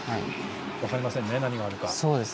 分かりませんね、何があるか。